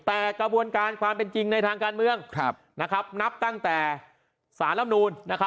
แต่กระบวนการความเป็นจริงในทางการเมืองนับตั้งแต่สารลำนูน